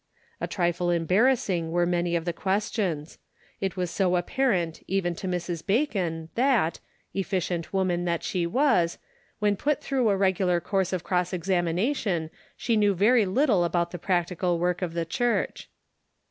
A trifle embarrassing were many of the ques tions. It was so apparent even to Mrs. Bacon that, efficient woman that she was, when put through a regular course of cross examination she knew very little about the practical work of the church.